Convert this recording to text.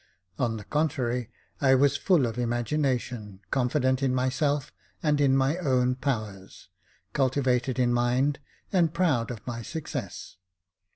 On the contrary, I was full of imagination, con fident in myself, and in my own powers, cultivated in mind, and proud of my success.